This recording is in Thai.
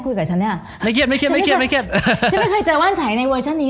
คุยกับฉันเนี่ยไม่เกลียดไม่เครียดไม่เกลียดไม่เกลียดฉันไม่เคยเจอว่านฉัยในเวอร์ชันนี้